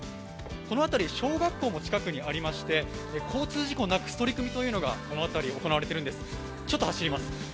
この辺り小学校も近くにありまして交通事故をなくす取り組みがこの辺り行われているんです。